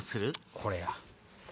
これや。